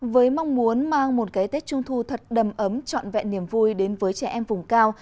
với mong muốn mang một cái tết trung thu thật đầm ấm trọn vẹn niềm vui đến với trẻ em vùng cao